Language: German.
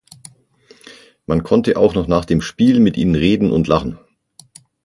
Man konnte auch noch nach dem Spiel mit ihnen reden und lachen“.